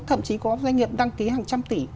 thậm chí có doanh nghiệp đăng ký hàng trăm tỷ